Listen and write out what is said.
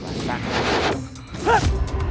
lagi tak kena